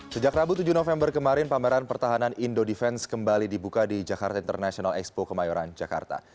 sejak rabu tujuh november kemarin pameran pertahanan indo defense kembali dibuka di jakarta international expo kemayoran jakarta